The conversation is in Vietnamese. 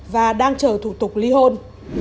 và đang chờ thủ tục ly hôn